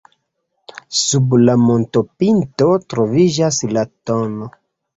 Sub la montopinto troviĝas la tn.